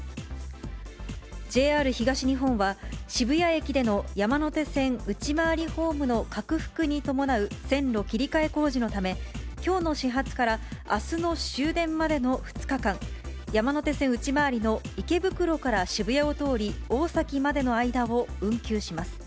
ＪＲ東日本は、渋谷駅での山手線内回りホームの拡幅に伴う線路切り替え工事のため、きょうの始発からあすの終電までの２日間、山手線内回りの池袋から渋谷を通り、大崎までの間を運休します。